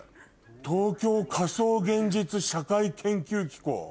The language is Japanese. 「東京仮想現実社会研究機構」